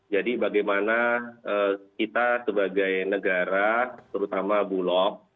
jadi bagaimana kita sebagai negara terutama bulog